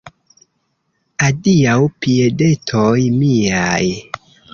Adiaŭ, piedetoj miaj!